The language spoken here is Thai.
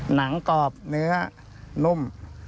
หนังกรอบเนื้อนุ่ม